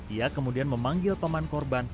ia kemudian memanggil paman korban